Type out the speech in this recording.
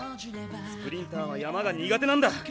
スプリンターは山が苦手なんだ。